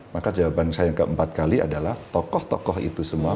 maka jawaban saya yang keempat kali adalah tokoh tokoh itu semua